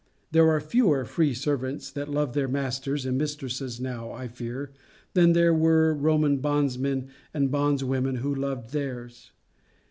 There are fewer free servants that love their masters and mistresses now, I fear, than there were Roman bondsmen and bondswomen who loved theirs.